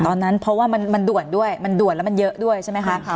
ตอนนั้นเพราะว่ามันด่วนด้วยมันด่วนแล้วมันเยอะด้วยใช่ไหมคะ